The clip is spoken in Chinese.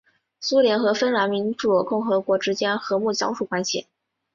苏联和芬兰民主共和国之间和睦相处关系。